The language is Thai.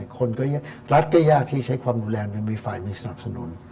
คนก็ยากรัฐก็ยากที่ใช้ความดูแลเป็นฝ่ายมีสนับสนุน